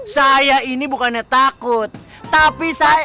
saya ini bukan dia yang lari paling kenceng deh siapa saya apa pak rete